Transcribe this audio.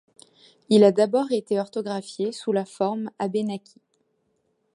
Il a d'abord été orthographié sous la forme Abénaquis.